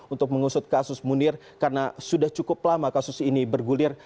untuk mengusut kasus munir karena sudah cukup lama kasus ini bergulir